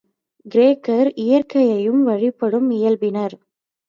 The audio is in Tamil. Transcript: கிரேக்கர் இயற்கையையும் வழிபடும் இயல்பினர்.